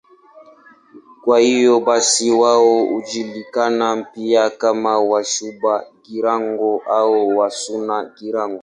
Kwa hiyo basi wao hujulikana pia kama Wasuba-Girango au Wasuna-Girango.